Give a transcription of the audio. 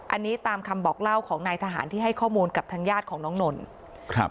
อันนี้ตามคำบอกเล่าของนายทหารที่ให้ข้อมูลกับทางญาติของน้องนนท์ครับ